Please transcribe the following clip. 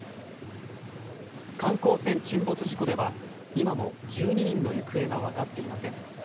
観光船沈没事故では今も１２人の行方が分かっていません。